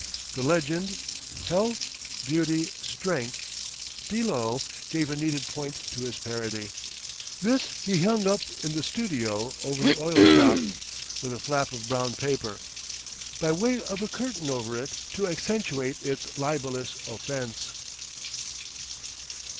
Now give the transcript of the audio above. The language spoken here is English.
The legend, "Health, Beauty, Strength," below, gave a needed point to his parody. This he hung up in the studio over the oil shop, with a flap of brown paper; by way of a curtain over it to accentuate its libellous offence.